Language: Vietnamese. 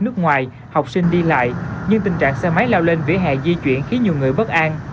nước ngoài học sinh đi lại nhưng tình trạng xe máy lao lên vỉa hè di chuyển khiến nhiều người bất an